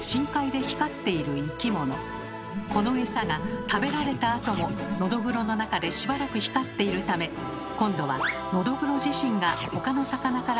このエサが食べられたあともノドグロの中でしばらく光っているため今度はノドグロ自身がほかの魚から狙われてしまいます。